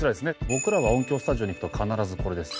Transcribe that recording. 僕らが音響スタジオに行くと必ずこれです。